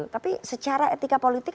tapi secara etika politik